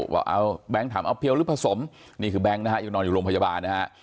ว่าเอาแบงค์ถามเอาเพียวหรือผสมนี่คือแบงค์นะฮะยังนอนอยู่โรงพยาบาลนะฮะ